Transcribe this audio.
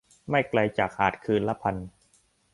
ไม่ไกลจากหาดคืนละพัน